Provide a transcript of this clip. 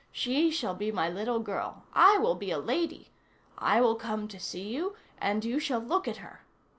She shall be my little girl. I will be a lady. I will come to see you, and you shall look at her.